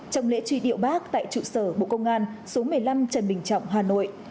trong lễ truy điệu bác tại trụ sở bộ công an số một mươi năm trần bình trọng hà nội